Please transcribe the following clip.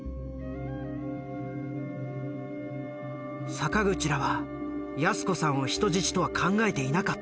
坂口らは泰子さんを人質とは考えていなかった。